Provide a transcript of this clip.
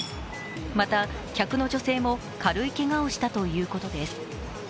また、客の女性も軽いけがをしたということです。